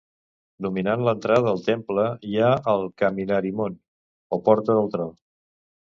Dominant l'entrada al temple hi ha el Kaminarimon o "Porta del tro".